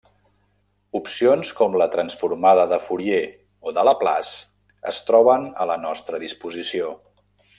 Opcions com la transformada de Fourier o de Laplace es troben a la nostra disposició.